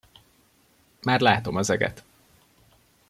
Már látom az eget.